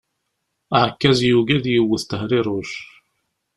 Aɛekkaz yugi ad yewwet Tehriruc.